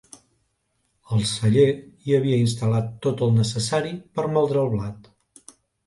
Al celler hi havia instal·lat tot el necessari per a moldre el blat.